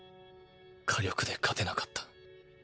火力で勝てなかった。